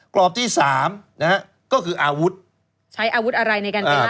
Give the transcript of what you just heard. กรอบที่สามนะฮะก็คืออาวุธใช้อาวุธอะไรในการเป็นล่า